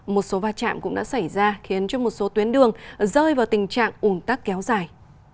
hôm nay một số tuyến đường rơi vào tình trạng ủng tắc kéo dài